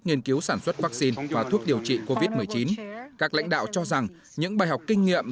nghiên cứu sản xuất vaccine và thuốc điều trị covid một mươi chín các lãnh đạo cho rằng những bài học kinh nghiệm